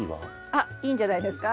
あっいいんじゃないですか。